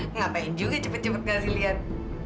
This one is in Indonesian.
ngapain juga cepet cepet kasih lihat